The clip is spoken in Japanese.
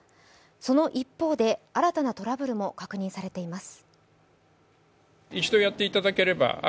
その一方で新たなトラブルも確認されています。